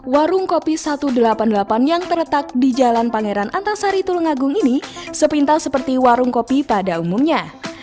warung kopi satu ratus delapan puluh delapan yang terletak di jalan pangeran antasari tulungagung ini sepintas seperti warung kopi pada umumnya